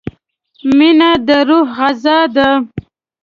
مینه د روح غذا ده.